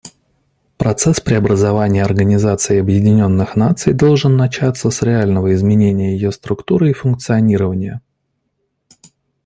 Процесс преобразования Организации Объединенных Наций должен начаться с реального изменения ее структуры и функционирования.